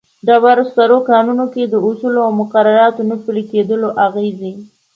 ډبرو سکرو کانونو کې د اصولو او مقرراتو نه پلي کېدلو اغېزې.